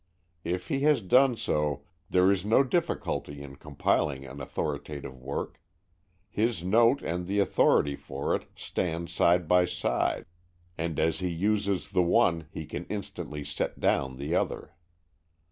If he has done so, there is no difficulty in compiling an authoritative work. His note and the authority for it stand side by side, and as he uses the one he can instantly set down the other.